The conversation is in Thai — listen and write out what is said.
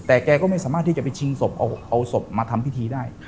แต่แกก็ไม่สามารถที่จะไปชิงศพเอาศพมาทำพิธีได้